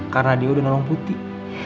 karena dia udah nolong putih